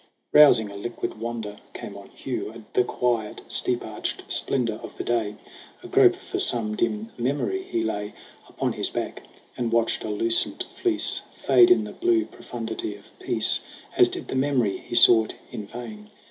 Rousing a languid wonder, came on Hugh The quiet, steep arched splendor of the day. Agrope for some dim memory, he lay Upon his back, and watched a lucent fleece Fade in the blue profundity of peace As did the memory he sought in vain.